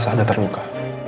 elsa ada terluka